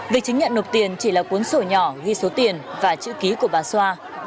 việc chứng nhận nộp tiền chỉ là cuốn sổ nhỏ ghi số tiền và chữ ký của bà xoa